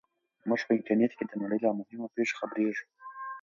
موږ په انټرنیټ کې د نړۍ له مهمو پېښو خبریږو.